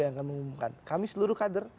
yang akan mengumumkan kami seluruh kader